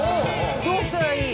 どうしたらいい？